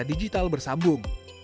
dan digital bersambung